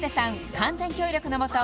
完全協力のもと